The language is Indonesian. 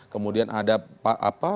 kemudian ada apa